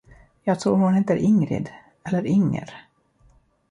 Jag tror hon heter Ingrid... eller Inger?